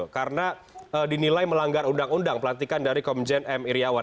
karena dinilai melanggar undang undang pelantikan dari komjen m iryawan